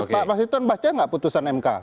pak mas hinton baca gak putusan mk